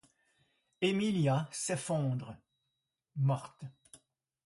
Emilia s'effondre, morte.